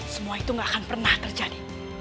semua itu gak akan pernah terjadi